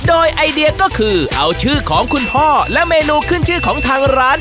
โดยไอเดียก็คือเอาชื่อของคุณพ่อและเมนูขึ้นชื่อของทางร้าน